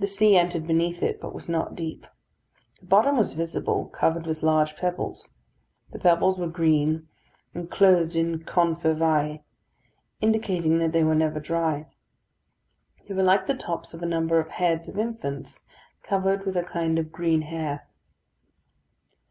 The sea entered beneath it, but was not deep. The bottom was visible, covered with large pebbles. The pebbles were green and clothed with confervæ, indicating that they were never dry. They were like the tops of a number of heads of infants, covered with a kind of green hair.